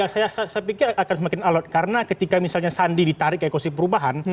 saya pikir akan semakin alat karena ketika misalnya sandi ditarik ke ekosis perubahan